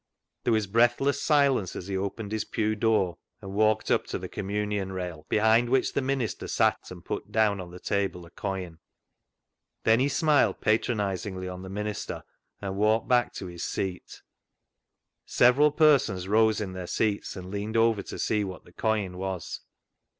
There was breathless silence as he opened his pew door and walked up to the communion rail, behind which the minister sat, and put down on the table a coin. Then he smiled patronisingly on the minister, and walked back to his seat. Several persons rose in their seats and leaned over to see what the coin was.